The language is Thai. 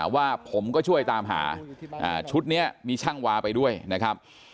ว่าผมก็ช่วยตามหาชุดนี้มีช่างวาไปด้วยนะครับ